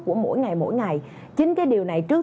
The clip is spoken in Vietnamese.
của mỗi ngày mỗi ngày